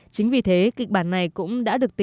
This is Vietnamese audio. chính vì thế kịch bản này cũng đã được tiến